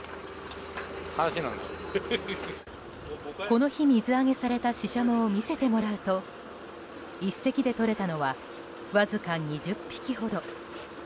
この日、水揚げされたシシャモを見せてもらうと１隻でとれたのはわずか２０匹ほど。